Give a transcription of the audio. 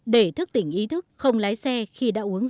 để thức tỉnh ý thức không lái xe khi đã uống rượu bia